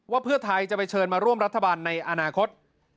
ว่าเพื่อไทยจะไปเชิญมาร่วมรัฐบาลในอนาคต